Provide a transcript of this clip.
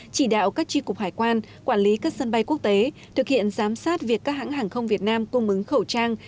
chỉ đạo các tri cục hải quan quản lý các sân bay quốc tế thực hiện giám sát việc các hãng hàng không việt nam cung ứng khẩu trang